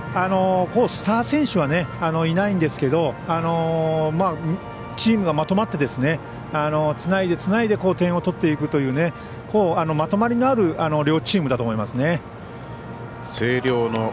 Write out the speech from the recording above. スター選手はいないんですけどチームがまとまってつないで、つないで点を取っていくというまとまりのある両チームだと思いますね。